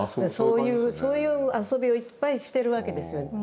そういう遊びをいっぱいしてるわけですよ常々。